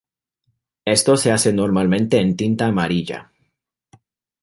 Esto se hace normalmente en tinta amarilla.